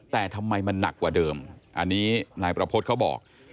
แต่ทำไมมันหนักกว่าเดิมอันนี้นายประพฤติเขาบอก